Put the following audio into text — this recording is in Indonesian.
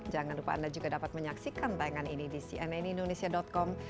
jangan lupa anda juga dapat menyaksikan tayangan ini di cnnindonesia com